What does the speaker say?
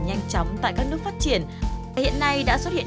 nhanh chóng tại các nước phát triển hiện nay đã xuất hiện